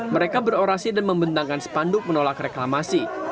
mereka berorasi dan membentangkan sepanduk menolak reklamasi